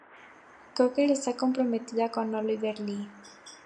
Cocker está comprometida con Oliver Lee.